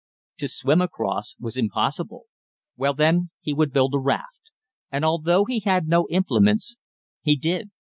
To swim across was impossible. Well, then, he would build a raft. And, although he had no implements, he did.